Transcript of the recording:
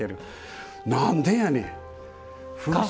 何でやねん！